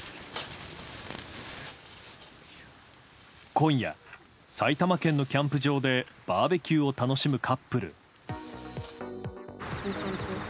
今夜、埼玉県のキャンプ場でバーベキューを楽しむカップル。